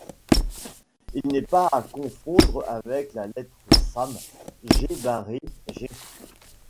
Il n’est pas à confondre avec la lettre same, G barré, Ǥ.